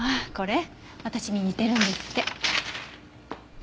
私に似てるんですって。